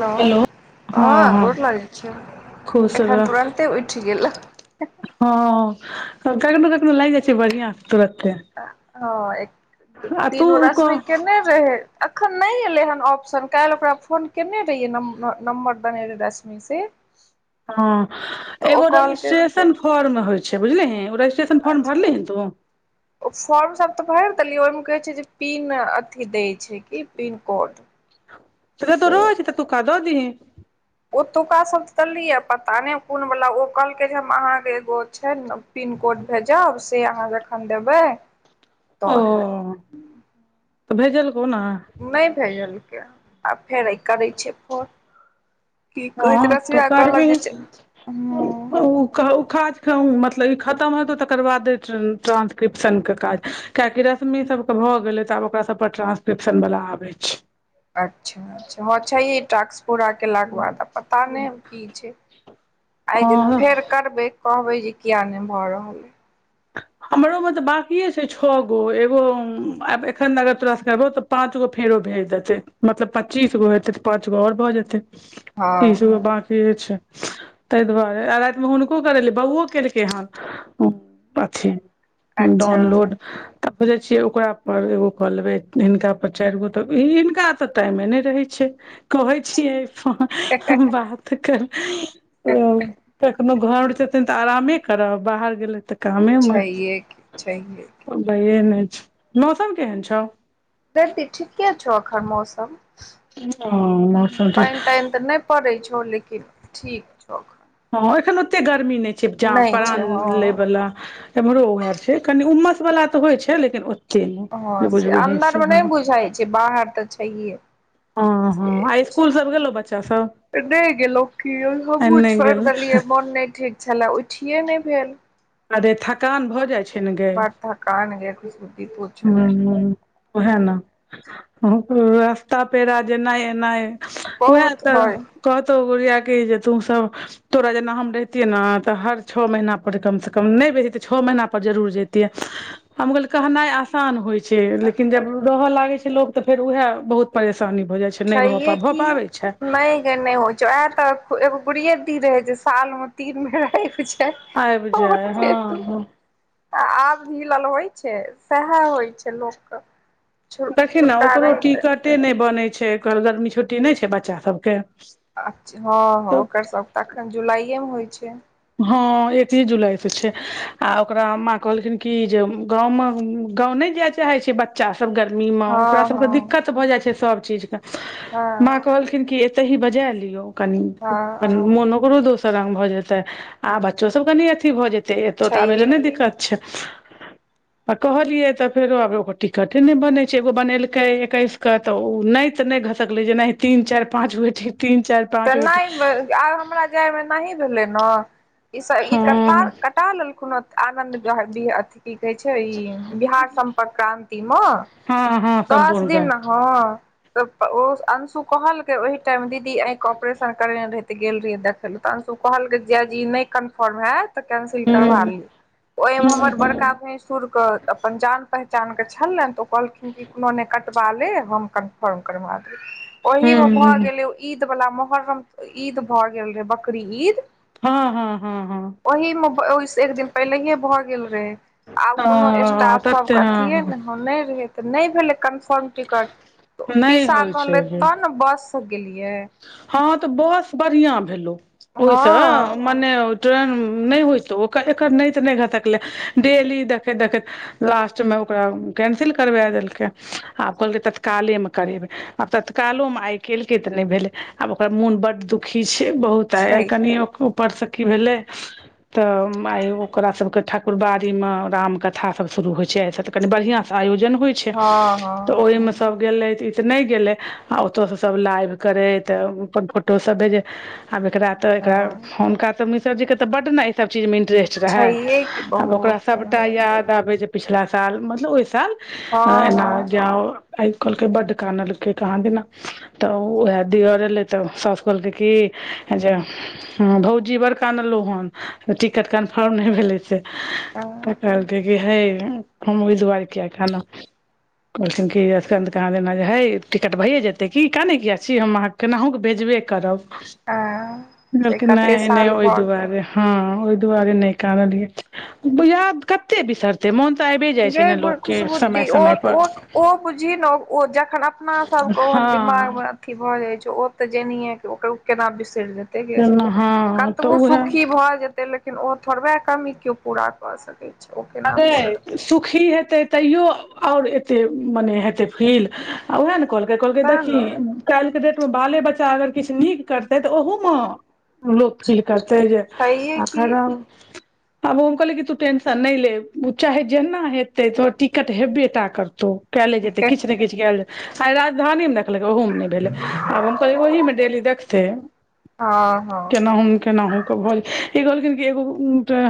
Hello हँ गोर लागे छियै खुश रह एखन तुरन्ते उठि गेलो हँ कखनो कखनो लागि जाइ छै बढ़िआ तुरत्ते हँ एक तीन कह [unintelligible] केने रहै अखन नइ एलै हन ऑप्शन काल्हि ओकरा फोन केने रहिय नंबर देने रहै रशमी से ह तऽ ओ एगो कहलकै रजिस्टेशन फॉर्म होइ छै बुझलहि ओ रजिस्टेशन रजिस्ट्रेशन फॉर्म अच्छा भरली ह तु ओ फॉर्मसभ तऽ भरि देलियै ओहिमे कहै छै जे पिन अथि दैत छै कि पिनकोड जब एतअ रहै छै तऽ एतुका द देही ओतुका सब तऽ देलियै पता नहि कोन वला ओ कहलकै जे हम अहाँके एगो छै न पिनकोड भेजब से अहाँ जखन देबै ओ तऽ हैत तऽ भेजल को नै नहि भेजलकै हँ आ फेर ई करै छियै फोन की कहै हँ तऽ छै [unintelligible] कहलक करबही जे ओ काज मतलब ई खत्म हेतौ तकर बाद ट्रांसक्रिप्शन के काज किया कि रश्मि सब के भए गेले ते आब ओकरा सब पर ट्रांसक्रिप्शन वला आबे छै अच्छा अच्छा हँ छै इ टास्क पूरा केलाक के बाद पता नहि की छै आइ दिन हँ फेर करबै कहबै जे किया नहि भऽ रहलै हमरो म तऽ बकिए छै छओ गो एगो एखन अगर तोरा सँ करबौ तऽ पाँंच गो फेरो भेज देते मतलब पच्चीस गो हेतै तऽ पाँच गो आओर भऽ जेतै तीस हँ बाकी किए छै ताहि दुआरे आ रातिमे हुनको करेले बौओ केलकै हन कथी अच्छा डाउनलोड त खोजै छियै ओकरापर एगो कऽ लेबै हिनकापर चारि गो तऽ हिनका तऽ टाइमे नैय रहै छै कहै छी हम बात करब कोनो घर जेतेन तऽ आरामे करब बाहर गेलै तऽ कामे मऽ छैहे की छैहे की अब भइये नइ छै मौसम केहन छौ इधर तऽ ठीके छौ अखन मौसम ओ मौसम त पानि तानि तऽ नहि पड़ै छौ लेकिन ठीक छौ एखन हँ एखन ओते गर्मी नइ छै जान नहि छै प्रान हँ ले बला एम्हरो ओहर छै कनि उमस बला तऽ होइ छै लेकिन ओ हँ से अन्दर मे नेय बुझाइ छै बाहर तऽ छैहे हँ हँ आइ स्कूल सब गेलो बच्चा सब नइ गेलो की आइ हमहू नहि छोड़ गेल देलियै मोन नैय ठीक उठिए नइ भेल अरे थकान भऽ जाइ छै ने गै बर थकान गे खुशबु की पुछ नैय हुँ ओ है न ओकरो रास्ता पेड़ा जेनाइ एनाइ उहे बहुत तऽ भय कहतौ गुड़िया की जे तू सब तोरा जेना हम रहतिये ने तऽ हर छ महीना पर कम से कम नहि बेसि त छओ महीना पर जरूर जतिये हम कहलिये कहनाइ आसान होइ छै छै लेकिन जब रहय लागे छै लोग तऽ फेर उएह बहुत परेशानी भए जाय छै नहि भऽ छैहे पाबै छै भऽ की पाबै छै नहि नहि होय छै औहेत एगो गुरिया दी रहे छै साल में तीन बेर आयब जय छलय आयब जाय हँ ह आ आब मिलल होइ छै सएह होइ छै लोकके छु देखी ने छुट्टा ओकरो रही तऽ टिकटे नहि बनै छै ओकरऽ गर्मी छुट्टी नहि छै बच्चा सभके हँ हँ ओकर सभ तऽ एखन जुलाइएमे होइत छै हँ एक ह जुलाई से छै आ ओकरा माँ कहलखिन की जे गाँवमे गाँ नहि जाइ चाहै छै बच्चा सब गर्मी मे ओकरा हँ सबके हँ दिक्कत भऽ जाइ छै सब चीज के हँ म कहलखिन की एते ही बजा लियऔ कनि हँ कनी मोन ओकरो दोसर रंग भऽ जेत तऽ आ बच्चो सब कनी अथी भऽ जेतै एतौ तऽ आबै लए छैहे नहि की दिक्कत छै आ कहलियै तऽ फेरो आब एगो टिकटे ने बने छै एगो बनेलके एकैस क तऽ ओ नहि तऽ नहि घसकलै जेना तीन चारि पाँच होयत तीन चारि तऽ पाँच गोटी नहि आब हमरा जायमे एनहि भेलै ने ई सब ईता हँ कटा लेलखुन आनन्द अथि की कहै छै ई बिहार संपर्क क्रान्तिमे हँ हँ दस दिन सम्पूर्ण नहि हँ त ओ अंशु कहलक ओहि टाइम दीदी अइंख क ऑपरेशन करे रहे ते गेल रहियै देखे ले त अंशु कहलकै जिजाजी ई नहि कन्फर्म होयैत कैंसिल हूँ करबा ली ओहिमे हमर बड़का हूँ भैस सुर के अपन जान पहचान के छल तऽ ओ कहलखिन कोनो ने कटवा ले हम कन्फर्म करबा देबौ‌ ओहि मे भऽ गेलै ईद बला मोहर्रम ईद भए गेल रहे बकरीद हँ हँ हँ हँ ओहिमे ओहिस एक दिन पहिलेे भऽ गेल रहे आब कोनो ह स्टाफ सब तते के अथि हँ ने नहि रहे तऽ नइ भेलै कन्फर्म टिकट तऽ नहि पीसा होइ छै कहलै गे। तब ने बससँ गेलियै हँ तऽ बस बढ़िआँ भेलौ ओइसँ हँ मने ट्रेन नइ होइतौ ओकर एकर नइ तऽ नइ घसकलै डेली देखैत देखैत लास्टमे ओकरा कैंसिल करबा देलकै आब कहलकै तत्कालेमे करेबै आ तत्कालो मे आइ केल्कै तऽ नइ भेलै आब ओकर मोन बड्ड दुखी छै बहुत आय छै कनि ऊपरसँ की भेलै तऽ आइ ओकरा सबके ठाकुरबारी मे राम कथा सब शुरू होइ छै आइ से त कनि बढ़िआँ से आयोजन होइ छै हँ हँ तऽ ओइमे सब गेलै तो इ त नई गेलै आ ओतसे सब लाइभ करै त अपन फोट फोटो सब भेजे आब एकरा तऽ हँ एकरा हँ त हुनका तो मिश्र जी के त बड न इसब चीज मे तऽ बड ने ई सब चीज मे इंटरेस्ट रहै छैहे कि आब ओकरा बहुत सबका याद आबै जे पिछला साल मतलब ओइ साल हँ एना हँ जाउ आइब क कहलकै बड कानलकै कहाँ देना त ओहे ले तऽ सास कहलके की जे हँ भौजी बड़ कानलअहुँ हेन टिकट कन्फर्म नहि भेलै से त हँ कहलत कि हे हम ओहि दुआरे किये कानब त कहलखिन एलखिन कहाँ देना हय टिकट भैयए जेते कानय किया कि हम आहां के केनाहु क भेजबें करब हँ से कहलकै कते नइ नइ साल ओइ भर दुआरे हँ ओइ दुआरे नइ कानलियै याद कत कते बिसरते मोन तऽ आबे जाइ छै ने गै लोकके समय समय पर बुझी न ओ जखन अपना सबके ओहन हँ दिमाग मे की भऽ जाय छै ओ तऽ जेनीेक ओ केना बिसरि जेतै हेगे केना हँ तऽ कतबो उएह सुखी भऽ जेतै लेक लेकिन ओ थोड़बे कमी केओ पूरा कऽ सकै छै ओ केना अगे बिसरतै सुखी हेतै तैयो आओर एते मने हेतै फील आ ओएह ने कहलकै कहलकै तें देखहि ने काल्हिके डेटमे बाले बच्चा अगर किछ नीक करतै तऽ ओहूम लोग फील करतै ह जे छैहे कि आखरौ अब हम कहलियै कि तू टेंशन नहि ले ओ चाहे जेना हेतै तोहर टिकट हेबे टा करतौ कयले जेतै किछ ने किछ केएल जे आय राजधानीमे देखलकै ओहोमे नहि भेलै आब हम कहलियै ओहिमे डेली देखथिन ह हँ केनाहु केनाहू ई कहलखिन एगो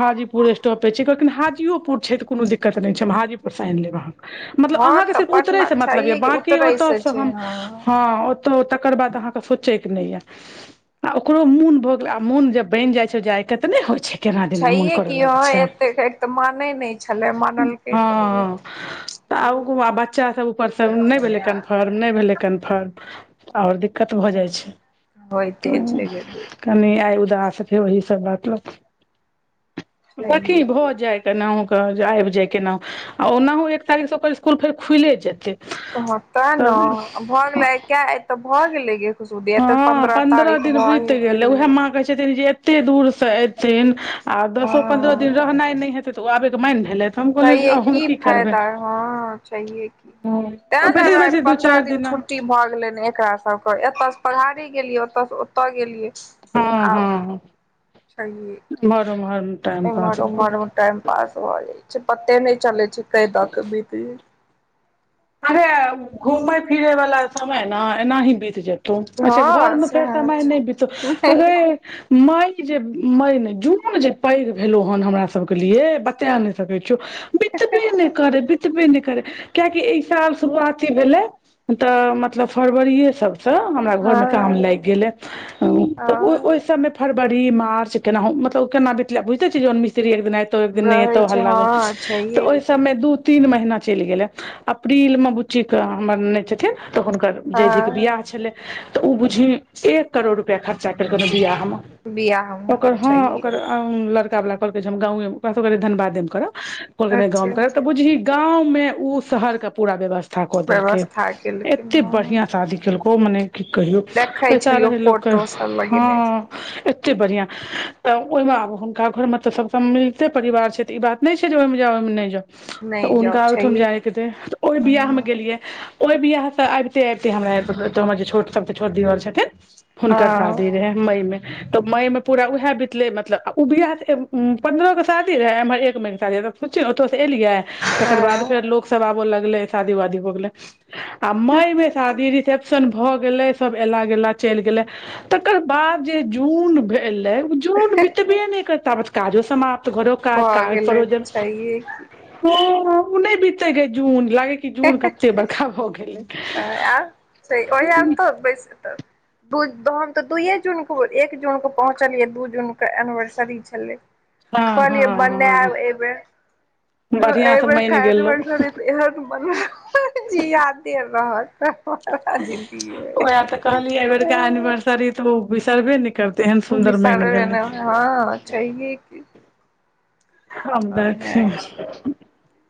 हाजीपुर स्टॉपेज छै कहलखिन हाजी के पुर छै त कोनो दिक्कत नहि छै हम हाजीपुर से आनि लेब आहाँ मतलब हँ अहाँके तऽ सिर्फ पटना उतरैसँ मतलब य छैहे कि बाकी उतरै से ओतऽसँ छै हम हँ हँ त तकर बाद अहाँके सोचैक नहि यऽ आ ओकरो मोन भऽ गेल आ मोन जब बनि जाय छै जाय के तऽ नहि होइ छै केना दिना मोन छैेहे करऽ की ह लागै छै एते तऽ माने नहि छलै मानलकै तऽ हँ होइते आब छैहे कुनु बच्चा सब ऊपरसँ नहि भेलै कन्फर्म नहि भेलै कन्फर्म आओर दिक्कत भऽ जाय छै होइते छै गै कनि आय उदास छी ओहि सब बात लऽ कऽ छैहे की। दखी भऽ जाय केनाहु क जे आबि जाय केनाहु आ ओनाहु एक तारीख से स्कुल फेर खुले जेते तैं न भऽ गेले क आ तऽ भऽ गेलै गे खुशबुद्धि तऽ हँ पन्द्रह तारीख दिन बीत भए गेलै उएह माँ कहैत छथिन जे एते दूर से ऐथिन आ दसो पंद्रह दिन हँ रहनाय नहि हेतै तऽ ओ आबै के मैएन भेलै तऽ हम छैहे कहलियै हम की करबै फायदा हँ छैहे की तेएं न बेसी हमरा बेसी दू पंद्रह चारि दिन दिना छुट्टी भए गेलै ने एकरा सब एतयसँ पहाड़ी गेलियै ओतऽसँ ओतय गेलियै हँ आब हँ छैहे एमहर ओमहर एम्हर उम्हर मे टाइम पास भ जाय छै पते नहि चलै छै कय द क बीत गेलै अरे घूमय फिरै वाला समय ने एनाही बीत जेतै तु अच्छा हँ घरमे फेर सएह समय छै नहि बिततौ हगै मई जे मई नहि जून जे पैघ भेलो हन हमरा सबके लिए बता नहि सकै छियौ ह्ह ह्ह करे बितबे नहि करे कियाकि अई साल शुरुआती भेले तऽ मतलब फरवरीए सब सँ हमरा घर में काम हँ लागि गेले तऽ ओ हँ ओहि सब मे फरवरी मार्च केनाहु मतलब केना बितलै आब बुझिते छियै जौन मिस्त्री एक दिना त एक दिन नहि रहै हेतौ छै हल्ला गुल्ला हँ छैहे त ओहि सब मे दू तीन महीना चलि गेलै अप्रील मे बुच्ची क हमर नै छथिन तऽ हुनकर जैधिके हँ बियाह छलै तऽ ओ बुझही एक करोड़ रुपैया खर्चा केलकनि बियाहमे बियाह मे ओकर हँ छैहे ओकर लड़का वाला कहलकै जे हम गांवे मे ओकरा सबके रहै धनबादे मे करब कहलकै नै गांव अच्छा मे करब तऽ बुझही गांव में उ शहर के पूरा व्यवस्था क देलकै व्यवस्था केलखिन एते बढ़ियां हँ शादी केलकौ ओ मने की कहियौ देखै पैसा छलियौ रहै लोक फोटो सब लगेने हँ एते बढ़िआ तऽ ओइमे आब हुनका घरमे तऽ सभसँ मिलते परिवार छै तऽ ई बात नहि छै जे ओइमे जाउ ओइमे नहि जाउ तऽ नहि जाउ हुनका ओहिठाम छैहे की जायके हेतै तऽ ओहि बियाहमे हँ गेलियै ओहि बियाहसँ आबिते आबिते हमरा एत जे हमर जे छोट सभसँ छोट देवर छथिन हुनकर शादी हँ रहै मई में तऽ मई मे पूरा उएह बितले मतलब आ ओ बियाह स पन्द्रह क शादी रहै एम्हर एक म‌ई के शादी रहै त सोचियौ ओत से एलियै तकर बाद फेर लोक सब आबऽ लगलै शादी वादी हो गेलै आ मई मे शादी रिसेप्शन सन भए गेले सब एला गेला चलि गेले तकर बाद जे जून एलै ओ जून बितबे नै करैत ताबेत काजो समाप्त त घरो काज भऽ काज गेलै परोजन छैहे की ह ओ नहि बीतैगे जून लागै कि जून ह्ह कते बड़का भऽ गेलै ह्ह आब ओहि आर तऽ बैस तऽ दु हम तऽ दुइए जूनके एक जूनके पहुँचलियै दू जूनके एनिवर्सरी छलै हँ हँ कहलियै बनायब हँ एबै बढ़िआँ एहि से बेर मनि खरीदबै गेलहुँ सरी त एहन बनाउ जे यादे रहत हमरा जिन्दगी ओहै तऽ कहलियै अई बेरका मे एनिवर्सरी तऽ ओ बिसरबे नै करतै तेहन सुन्दर बनि बिसरबे गेलै नै हँ छैहे कि आब देखी छै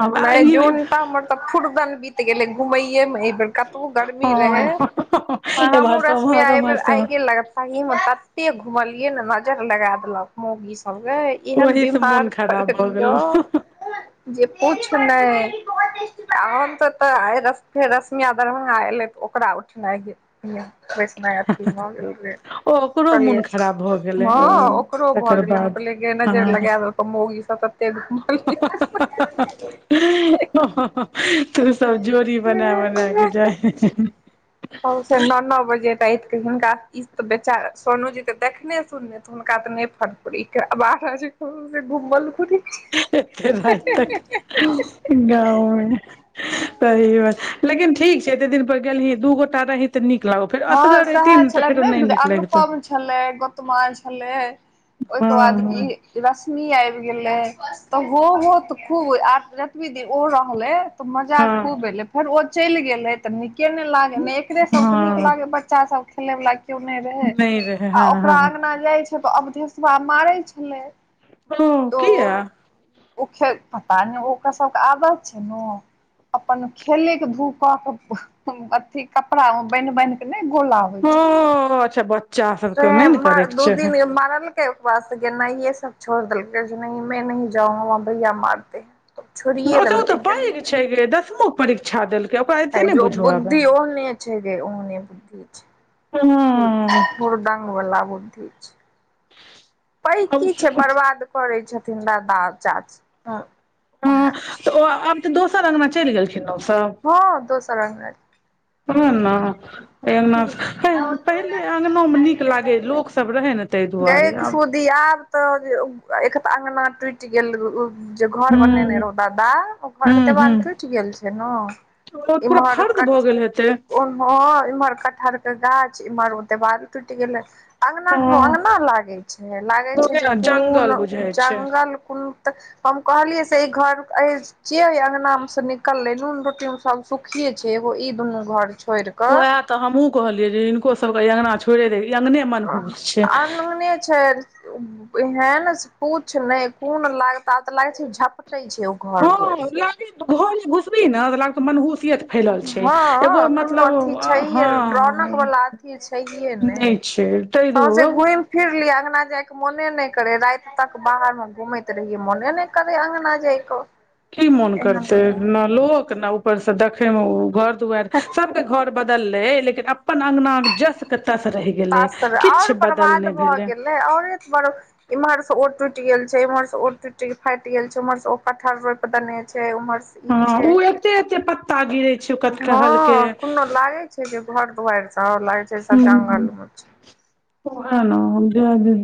हमरा नहि ई जून त हमर तऽ फुरदन बीत गेलै घुमैेये मे एहि बेर कतबो गर्मी रहे हँ हँ एम्हर हमूँ सँ रश्मि ओम्हर एहि ओम्हर बेर सँ आइगे ओम्हर लग सही में तत्ते घुमलिये ने नजर लगा देलक मोगी सब हम गै एहन ओहि से बीमार मोन खराब भऽ पड़लियौ गेलौ जे पूछ नहि आ हम तऽ एतऽ आइ फेर रश्मिया दरभ्ंगा एयलै तऽ ओकरा उठनाइ गेल बैसनाई अथि भ गेल रहै त ओकरो मोन खराब भ हँ ओकरो भऽ गेलै हम कहलियै गे नजर हँ लगाय देलकौ मौगी सब तत्ते घुमलही ह ह ह ह ह तु सब जोरी बना बना क जाही सबसे नौ नौ बजे राति क हिनका ई त बेचारा सोनू जी त देखने सुनने हुनका ते नहि फरफरी आ बारह बजे क हमसभ घुमल करी एत्ते राति तक गांव मे सही बात लेकिन ठीक छै एते दिन पर गेलही दू गोटा रहीं हँ सएहे छलै नहि बुझ नीक लगितौ अनुपम छलै गौतमा छलै ओहिके बाद हँ ई रश्मि आबि गेलै तऽ हो हो त खूब आ रतबी देर ओहो रहलै तऽ मजा हँ हँ खूब एलै फेर ओ चलि गेलै तऽ नीके नै लागै नै एकरे सबके नीक हँ लागे बच्चा सब खेले वला केओ नहि रहे नहि रहै आ हँ ओकरा हँ अंगना जाय छै से त अभिधेशवा मारै छलै ओ तो किया ओ ख पता नहि ओकर सबके आदत छै ने अपन खेले के धु क के अथी कपड़ा बान्हि बान्हि के ने गोला होइ ओ छौ [unintelligible] नहि त ने करैके दू चाही दिन मारल ओय के बाद सब गेनाय ये सब छोड़ देलकैंह नहि मे नहि जाउगा वहा भैया मारते है तब छोड़िये ओ तऽ ओ तऽ देलकै पैघ गेनाइ छै दसमोक क परीक्षा देलकै ओकरा एते नहि जो बुझब आबै बुद्धि ओहने छै ओने बुद्धि हँ हूर हुरदंग वला बुद्धि छै पै हँ की छै बर्बाद करै छथिन दादा चाची हँ ओहे छै तऽ ओ आब तऽ दोसर अगना चलि गेलखिन ओ सब हँ दोसर अंगना ओहै ना अङ्गनासँे पहिले अङ्गनामे नीक लागै लोकसभ रहै ने ताहि दुआरे आब दी आब ते जे एक त अगना टूटि गेल जे घर बनेने हूँ रहौ दादा ओ घरके हूँ हूँ देवाल टूटि गेल छै ने पूरा फर्द भऽ गेल हेतै ह इम्हर कटहर के गाछ एम्हर ओ देवाल टूटि गेले अगंना कोनो हँ अगंना लागे छै लागे छै ओहे जे ने कोन जंगल बुझाइ छै जंगल कोन तऽ हम कहलियै से ई घर अ जेओ अगंना मे से निकलले नून रोटी मे सब सुखीे छै एगो ई दुनू घर छोड़ि ओएह तऽ हमहु कहलियै जे हिनको सबके अङ्गना छोड़े दे अंगगने अनुने छै एहन पूछ नहि कोन लागता तऽ लाग छै झपटै छै घर दुआरि हँ से लागे घर घुसबी ने लागत मनहुस फैलल छै एगो हँ कोनो मतलब अथी छैहे हँ रौनक वाला अथी छैहे नहि नहि छै तय सौंसे घुमि फिर लिय अगंना जाय के मोने नहि करे राति तक बाहर में घुमैत रहिये मोने नहि करे अंगना जाइके की मोन करतै न लोक न ऊपर स दखै मे घर दुआरि सबके घर बदललै लेकिन अपन अगंना जस के तस रहि गेलै तासर किछु बदल नहि भेलै आओर एक बड़ इम्हर से ओ टूटि गेल छै इम्हर से टूट के फाटि गेल छै उमहर ओ कठहर रोप देने छै उम्हर से ई हँ छै उ एते एते पत्ता गिरे छै कटहल के हँ कोनो लागे छै जे घर दुआरि लागै छै सब जंगल मे छै ह औहे न जे दिहिन